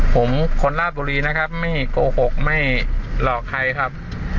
ผมคนราชบุรีนะครับไม่โกหกไม่หลอกใครครับ